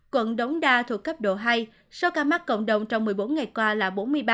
quận đống đa thuộc cấp độ hai số ca mắc cộng đồng trong một mươi bốn ngày qua là bốn mươi ba